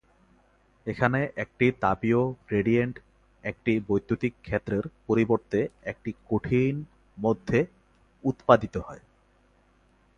এখানে, একটি তাপীয় গ্রেডিয়েন্ট একটি বৈদ্যুতিক ক্ষেত্রের পরিবর্তে একটি কঠিন মধ্যে উত্পাদিত হয়।